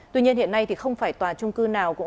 tuy nhiên hiện nay thì không phải tòa trung cư nào cũng